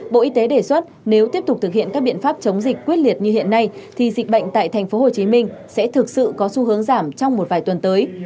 bộ y tế đề xuất nếu tiếp tục thực hiện các biện pháp chống dịch quyết liệt như hiện nay thì dịch bệnh tại tp hcm sẽ thực sự có xu hướng giảm trong một vài tuần tới